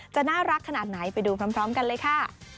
จะน่ารักขนาดไหนไปดูพร้อมกันเลยค่ะ